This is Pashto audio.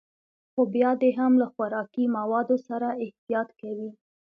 خو بيا دې هم له خوراکي موادو سره احتياط کوي.